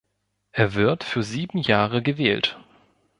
Er wird für sieben Jahre gewählt.